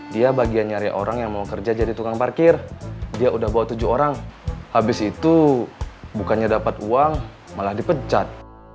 dia bagian nyari orang yang mau kerja jadi tukang parkir dia udah bawa tujuh orang habis itu bukannya dapat uang malah dipecat